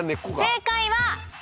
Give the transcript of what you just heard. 正解は。